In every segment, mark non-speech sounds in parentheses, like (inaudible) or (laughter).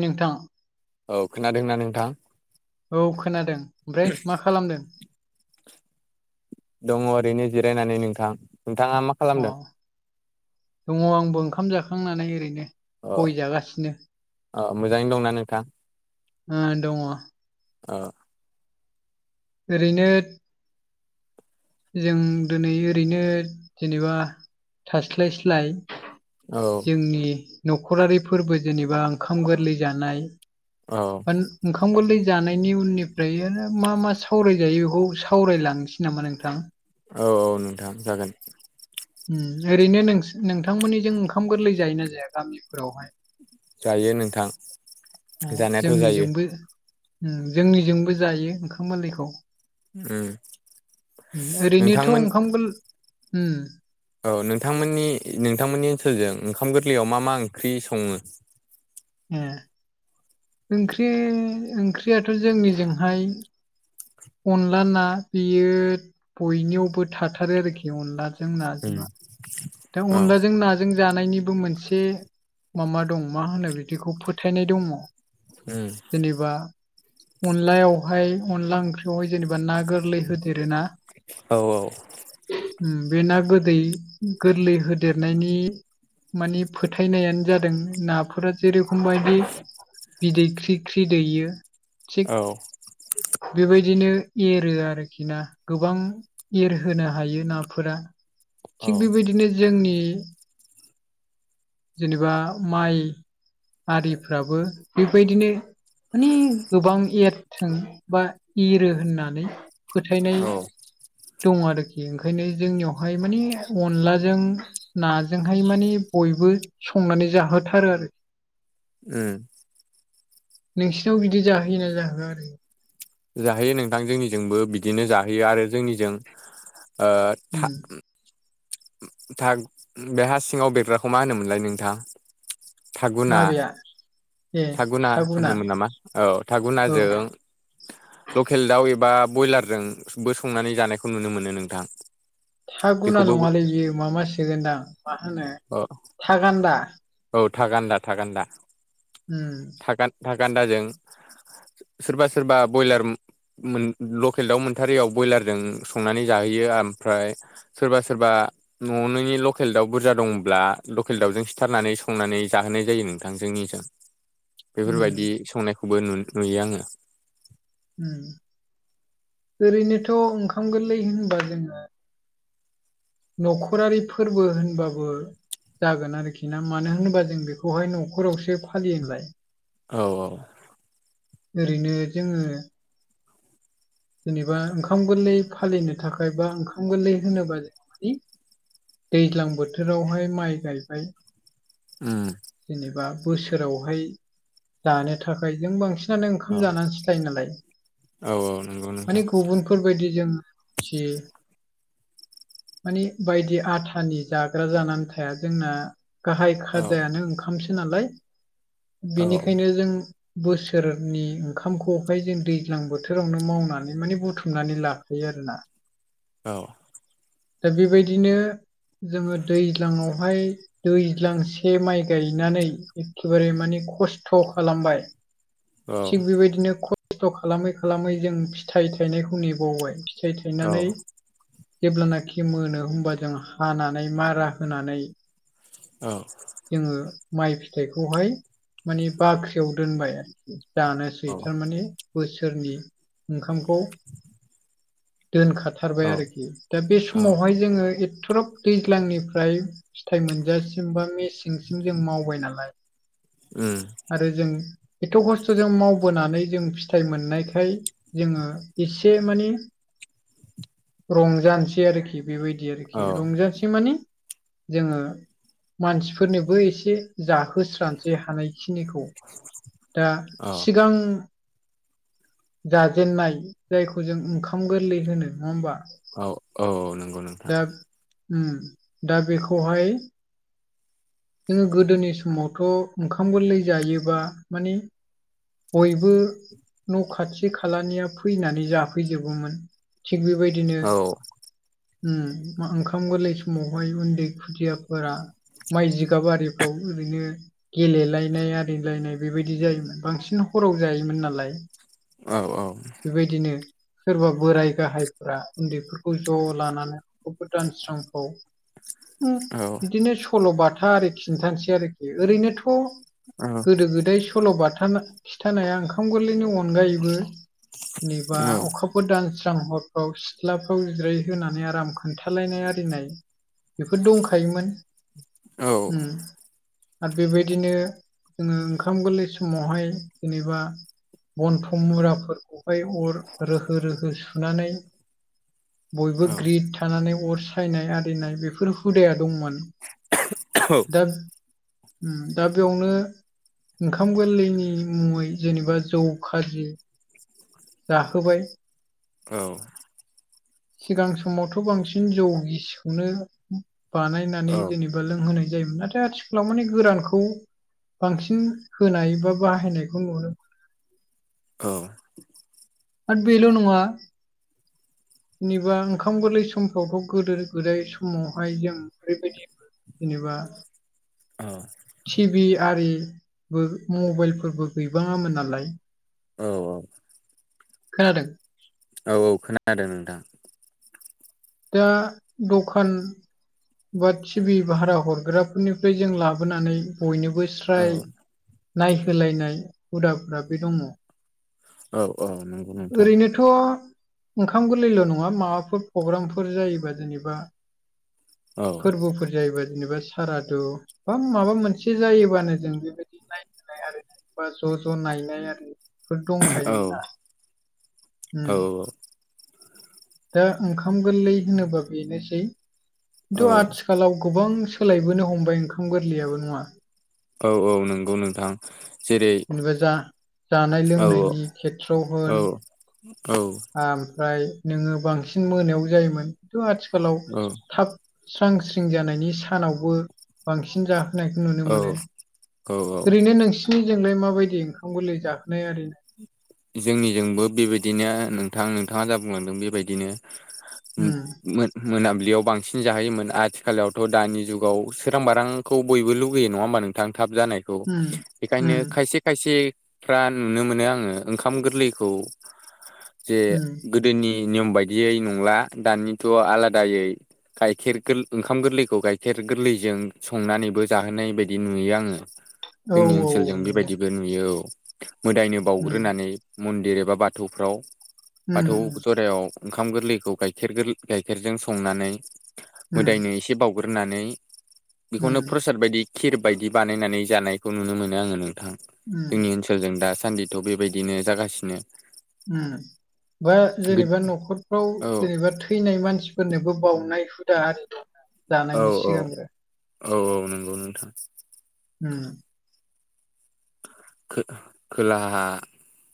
नोंथां औ खोनादोंना नोंथां।? औ खोनादों। ओमफ्राय मा खालामदों? दङ ओरैनो जिरायनानै नोंथां। नोंथाङा मा अ खालामदों दङ आंबो ओंखाम जाखांनानै ओरैनो अ गय जागासिनो अ मोजाङैनो दंना नोंथां? ओ दङ। ओ। ओरैनो जों दोनै ओरैनो जेनेबा थास्लायस्लाय औ जोंनि न'खरारि फोर्बो जेनेबा ओंखाम गोरलै जानाय औ (inaudible) ओंखाम गोरलै जानायनि उननिफ्राय मा मा सावरायजायो बेखौ सावरायलांनोसै नामा नों थां? औ औ नोंथां जागोन। उम ओरैनो नोंसि-नोंथांमोननिजों ओंखाम गोरलै जायोना जाया गामिफोरावहाय? जायो नोंथां। उ जानायाथ' जायो जोंनिजोंबो उम जोंनिजोंबो जायो ओंखाम मोरलैखौ। उम ओरैनोथ' नोंथांमोन ओंखाम गोल उम औ नोंथांमोननि नोंथांमोननि ओनसोलजों ओंखाम गोरलैयाव मा मा ओंख्रि सङो? ए। ओंख्रि ओंख्रियाथ' जोंनिजोंहाय अनला ना बेयो बयनियावबो थाथारो आरोखि अनलाजों उम नाजोङा। दा औ अनलाजों ना जों जानायनिबो मोनसे मामा दं मा होनो बिदिखौ फोथायनाय दङ'। उम जेनेबा अनलायावहाय अनला ओंख्रियावहाय जेनेबा ना गोरलै होदेर ना औ औ उम बे ना गोदै गोरलै होदेरनायनि मानि फोथायनायानो जादों नाफोरा जेरेखम बायदि बिदै ख्रि ख्रि दैयो थिग औ बेबायदिनो एरो आरोखि ना गोबां एरहोनो हायो नाफोरा। औ थिग बेबायदिनो जोंनि जेनेबा माइ आरिफ्राबो बेबायदिनो माने गोबां एरथों बा एरो होननानै फोथायनाय औ दं आरोखि ओंखायनो जोंनियावहाय माने अनलाजों नाजोंहाय माने बयबो संनानै जाहोथारो आरो। ओ नोंसिनाव बिदि जाहोयोना जाहोआ आरो जाहैयो नोंथां जोंनिजोंबो बिदिनो जाहोयो आरो जोंनिजों ओ था उम था बे हा सिङाव बेरग्राखौ मा होनोमोनलाय नोंथां? थागुना माबाया थागुना होनोमोन नामा औ औ थागुनाजों (inaudible) लकेल दाउ एबा बयलारजों बो संनानै जानायखौ नुनो मोनो नोंथां। था गुना बेखौबो नङालै बियो मा मा सोगोनदां मा होनो अ थागान्दा औ थागान्दा थागान्दा उम था गान था गान्दाजों सोरबा सोरबा बयलार मोन लकेल दाउ मोनथारैयाव बयलारजों संनानै जाहैयो ओमफ्राय सोरबा सोरबा न'नि लकेल दाउ बुरजा दंब्ला लकेल दाउजों सिथा थारनानै संनानै जाहोनाय जायो नोंथां जोंनिजों उम बेफोरबायदि संनाय खौबो नु-नुयो आंङो। उम ओरैनोथ' ओंखाम गोरलै होनबा जोङो न'खरारि फोरबो होनबाबो जागोन आरोखि ना। मानो होनोबा जों बेखौहाय न'खरावसो फालियो नालाय। औ औ। ओरैनो जोङो जेनेबा ओंखाम गोरलै फालिनो थाखाय बा ओंखाम गोरलै होनोबा जों मानि दैज्लां बोथोरावहाय माइ गायबाय ओम जेनेबा बोसोरावहाय दानो थाखाय जों बांसि जनो औ ओंखाम जानानैसो थायो नालाय। औ औ नोंगौ नोंथां। फोरबायदि जों फियो मानि बायदि आथानि जाग्रा जानानै थाया जोंना गाहाय औ खाजायानो ओं ओमसै (inaudible) नालाय औ बेनिखायनो जों बोसोरनि ओंखामखौहाय जों दैज्लां बोथोरावनो मावनानै माने बुथुमनानै ला होैयोआरोना औ दा बेबायदिनो जोङो दैज्लाङावहाय दैज्लांसे माइ गायनानै एखेबारे माने खस्थ' खालामबाय औ थिग बेबायदिनो खस्थ' खालामै खालामै जों फिथाइ थायनायखौ नेबावबाय फिथाइ थायनानै जेब्लानाखि। मोनो होमबा जों हानानै मारा होनानै। औ। जोङो माइ फिथाइखौहाय माने बाख्रियाव दोनबाय आरोखि जानोसै थारमाने बोसोरनि ओंखामखौ दोनखाथारबाय आरोखि दा बे जोंडा एथग्रा फिथाय मोनजासिम सिंसिं जों मावबाय नालाय आरो जों एथ' खस्थ'जों मावबोनानै जों फिथाइ मोननायखाय। जोंङो एसे माने रंजानोसै आरोखि। बेबायदि आरोखि औ रंजासे माने। जोङो मानसिफोरनोबो एसे जाहोस्रांसै हानायखिनिखौ दा औ सिगां जाजेननाय जायखौ जों ओंखाम गोरलै होनो नङा होमबा औ औ औ नंगौ नंगौ दा दा बेखौहाय जोङो गोदोनि समावथ' ओंखाम गोरलै जायोबा माने बयबो न' खाथि खालानिया फैनानै जाफैजोबोमोन थिग बेबायदिनो औ ओम ओंखाम गोरलै समावहाय उन्दै खुदियाफोरा माइ जि जिगाब आरिफ्राव ओरैनो गेलेलायनाय आरिलायनाय बेबायदि जायोमोन बांसिन हराव जायोमोन नालाय औ औ बेबायदिनो। सोरबा बोराय गाहायफ्रा उन्दैफोरखौ ज' लानानै अखाफोर दानस्रांफोराव (inaudible) बिदिनो सल'बाथा आरि खिन्थानोासै आरोखि ओरैनोथ' औ गोदो गोदाय सल' बाथा खिथानाया ओंखाम गोरलैनि उनाव। अनगायैबो जेनबा अखा अखाफोर दानस्रां हरफ्राव सिथ्लाफ्राव जिराय होनानै आराम खोन्थालायनाय आरिनाय। बेफोर दंखायोमोन आरो बेबायदिनो जोङो ओंखाम गोरलै समावहाय जेनेबा बनथ मुराफोरखौहाय अर रोहो रोहो सुनानै बयबो ग्रिद थानानै अर सायनाय आरिनाय बेफोर हुदाया दंमोन। (inaudible) दा ओम दा बेयावनो ओंखाम गोरलैनि मुङै जेनेबा जौ, खाजि जाहोबाय औ। सिगां समावथ' बांसिन जौ गिसखौनो बानायनानै औ जेनेबा लोंहोनाय जायोमोन नाथाय आथिखालाव माने गोरानखौ। बांसिन होनाय बा बाहायनायखौ नुनो औ आरो बेल' नङा जेनेबा ओंखाम गोरलै समफ्रावथ' गोदो गोदाय समावहाय जों ओरैबायदि बेदिबा औ टिभि आरिबो मबाइलफोरबो गैबाङामोन नालाय। औ औ खोनादों? औ औ खोनादों नोंथां। दा दखान बा टिभ भारा हरग्राफोरनिफ्राय जों लाबोनानै बयनोबो औ स्राय नायहोलायनाय हुदाफोरा बो दङ। औ औ नंगौ नोंथां। थ' ओंखाम गोरलैल' नङा माबाफोर प्रग्रामफोर जायोबा जेनेबा औ फोरबोफोर जायोबा जेनेबा। सारादु बा माबा मोनसे जायोबानो जों बेबायदि नायनाय आरो बा ज' ज' नायनाय आरि फोर दंखायो औ ना। औ दा ओंखाम गोरलै होनोबा बेनोसै औ खिन्थु आथिखालाव गोबां सोलायबोनो हमबाय ओंखाम गोरलैयाबो नङा। औ औ नंगौ नोंथां जेरै जेनेबा जा जानाय औ लोंनायनि खेथ्र औ होन औ ओमफ्राय नोङो बांसिन मोनायावनो जायोमोनथ आथिखालाव औ थाब स्रां स्रिं जानायनि सानावबो बांसिन जाहोन होनायखौ नुनो औ मोनो औ औ ओरैनो नोंसिनिजोंलाय माबायदि ओंखाम गोरलै जाहोनाय आरि जोंनिजोंबो बेबायदिनो नोंथां नोंथाङा जा बुंलांदों बेबायदिनो ओम उम मोन मोनाबिलियाव बांसिन जाहोयोमोन आथिखालावथ' दानि जुगाव सोरां बारांखौ बयबो लुगैयो नङा होमबा नों गोथां थाब जानायखौ उम बेखायनो उम खायसे खायसेफ्रा नुनो मोनो आङो ओंखाम गोरलैखौ जे उम गोदोनि नियम बायदियै नंला दानिथ' आलादायै गाइखेर गो ओंखाम गोरलैखौ गाइखेर गोरलैजों संनानैबो जाहोनाय बायदि नुयो आङो। औ जोंनि ओनसोलजों औ नंगौ बेबायदिबो नुयो औ मोदायनो उम बाउग्रोनानै मन्दिर एबा बाथौफ्राव बाथौ उम जरायाव ओंखाम गोरलैखौ गाइखेर गोरलै गाइखेर जों संनानै उम मोदायनो एसे एसे बावउग्रोनानै बेखौनो उम प्रसाद बायदि खिर बायदि बानायनानै जानायखौ नुनो मोनो आङो नोंथां उम जोंनि ओनसोलजों दा सान्दि। थ' बेबायदिनो जागासिनो। ओम बे जेनेबा न'खरफ्राव औ जेनेबा थै मानसि फोरनोबो बावउनाय हुदा आरि दं। औ औ औ औ नंगौ नोंथां। होम खो-खोलाहा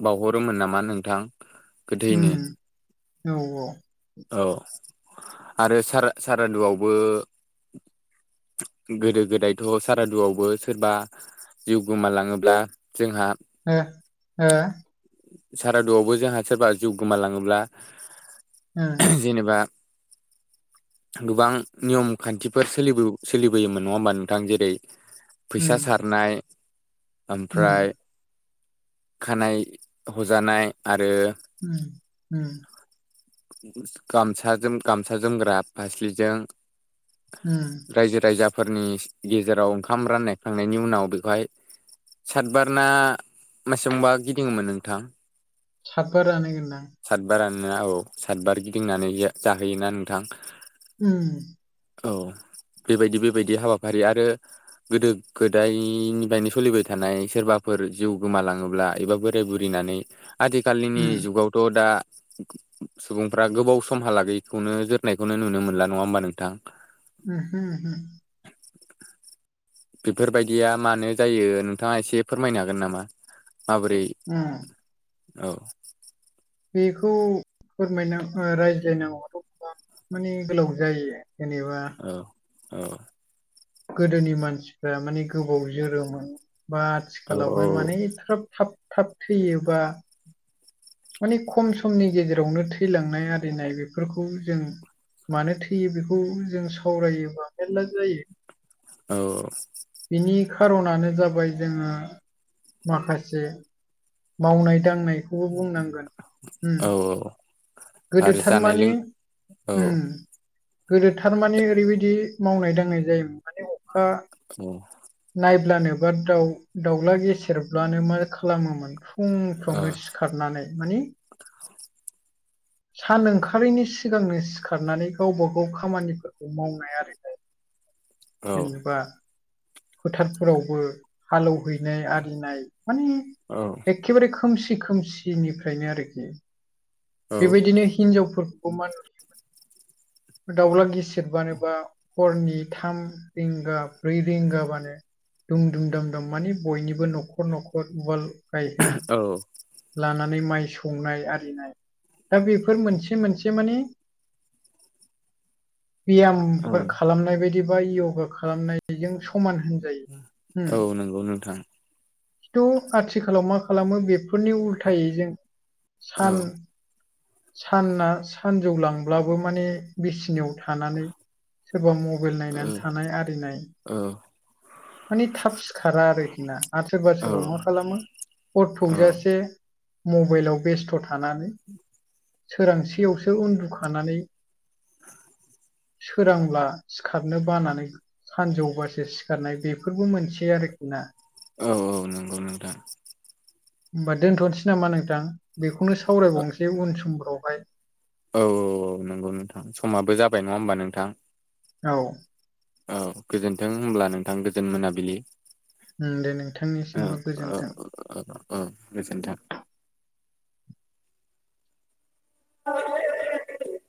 बावहरोमोन नामा नोंथां। गोथैनो उम औ औ। औ आरो सारा सारादुआवबो गोदो गोदायथ' सारादुआवबो सोरबा जिउ गोमालाङोब्ला जोंहा हो हो सारादुआवबो जोंहा सोरबा जिउ गोमालाङोब्ला ओं जेनेबा गोबां नियम खान्थिफोर सोलिबो-सोलिबोयोमोन। नङा होमबा नोंथां? जेरै फैसा उम सारनाय उम ओमफ्राय खानाय हजानाय आरो उम उम। गामसा जोम गामसा जोमग्रा फास्लिजों उम। रायजो राजाफोरनि गेजेराव ओंखाम राननाय खांनायनि उनाव बेखौहाय सातबार ना मासेबांबा गिदिङोमोन नोंथां? सातबारानोगोनदां। सातबारानो औ सातबार गिदिंनानै यो जाहोयोना नोंथां? ओम। औ बेबायदि बेबायदि हाबाफारि आरो गोदो गोदायनिफायनो सलिबाय थानाय सोरबाफोर जिउ गोमालाङोब्ला एबा बो बोराय बुरिनानै। आथिखालिनि उम जुगावथ' दा सुबुंफ्रा गोबाव समहालागैखौनो जोरनायखौनो नुनो मोनला। नङा होमबा नोंथां? ओमहो ओमहो। बेफोरबायदिया मानो जायो नोंथाङा एसे फोरमायनो हागोन नामा? माबोरै उम औ। बेखौ फोरमायना ओ रायज्लायनांगौवाथ' गोबां माने गोलाव जायो। जेनेबा औ औ। गोदोनि मानसिफ्रा माने गोबाव जोरोमोन बा औ आथिखालावहाय माने एफ्राब थाब थाब थैयोबा माने खम समनि गेजेरावनो थैलांनाय आरिनाय बेफोरखौ जों मानो थैयो बेखौ जों सावरायोबा मेरला जायो। औ। बिनि खार'नानो जाबाय जोङो माखासे मावनाय दांनायखौबो बुंनां ओम औ गोदो आरो जानाय थारमानि लों औ ओम। गोदो थारमाने ओरैबायदि मावनाय दांनाय जायोमोन माने अखा अ नायब्लानो बा दाउ-दाउला गेसेेरब्लानो मा खालामोमोन औ फुंफ्रावनो सिखारनानै मानि सान ओंखारैनि सिगांनो सिखारनानै गावबा गाव खामानिफोरखौ मावनाय आरो। जेनेबा फोथारफोरावबो हालौ हैनाय आरिनाय माने औ। एखेबारे खोमसि खोमसिनिफ्रायनो आरोखि। बेबायदिनो हिनजावफोर (unintelligible) दाउला गिसिरबानोबा हरनि थाम रिंगा ब्रै रिंगा माने दुम दुम, दाम दाम, माने बयनिबो न'खर न'खर उवाल गायहेन औ लानानै माइ सौनाय आरिनाय। दा बेफोर मोनसे मोनसे मानि बियाम औ मफोर खालामनाय बायदि बा योगा खालामनायजों समान होन जायो होम। औ नंगौ नोंथां थ' आथिखालाव मा खालामो बेफोरनि उल्थायै जों औ सान-साना सानजौ लांब्लाबो माने बिसिनियाव थानानै सोरबा मबाइल औ नायनानै थानाय आरिनाय औ। माने थाब सिखारा आरोखि ना आरो सोरबा औ सोरबा मा खालामो हर औ थौजासे मबेइलाव बेस्थ' थानानै सोरांसेयावसो उन्दुखानानै सोरांब्ला सिखारनो बानानै सानजौबासो सिखारनाय बेफोरबो मोनसे आरोखि ना औ औ नंगौ नों होमबा दोनथ'नोसै नामा नोंथां बेखौनो सावरायबावनोसै उन समफ्रावहाय औ औ नंगौ नोंथां समाबो जाबाय नङा होमबा नोंथां औ औ गोजोन्थों होनब्ला नोंथां गोजोन मोनाबिलि उम, दे औ नोंथांनिसिमबो औ गोजोन्थों औ गोजोनथों (inaudible)